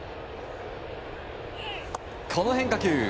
この変化球。